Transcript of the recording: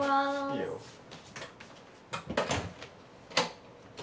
いいよ。